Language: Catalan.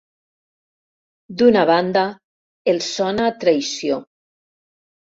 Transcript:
D'una banda, els sona a traïció.